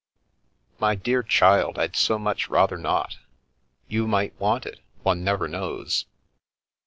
" My dear child, I'd so much rather not. You might want it; one never knows."